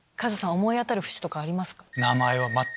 思い当たる節とかありますか？